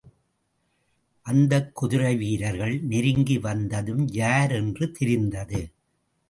அந்தக் குதிரை வீரர்கள் நெருங்கி வந்ததும் யார் என்று தெரிந்தது.